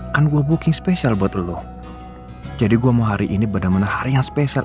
kan gua booking spesial buat lo jadi gua mau hari ini bener bener hari yang spesial